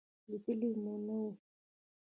لېدلې مو نه وه.